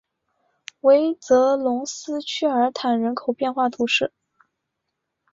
韦泽龙斯屈尔坦人口变化图示